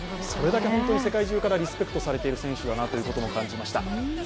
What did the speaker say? それだけ世界中からリスペクトされている選手だなと感じました。